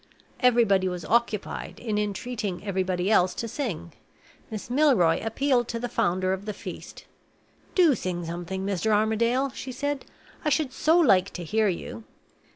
Everybody was occupied in entreating everybody else to sing. Miss Milroy appealed to the founder of the feast. "Do sing something, Mr. Armadale," she said; "I should so like to hear you!"